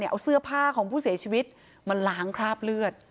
เอาเสื้อผ้าของผู้เสียชีวิตมาล้างคราบเลือด